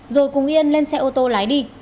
rồi cùng yên lên xe ô tô lái đi